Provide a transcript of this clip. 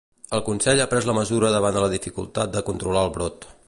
El Consell ha pres la mesura davant la dificultat de controlar el brot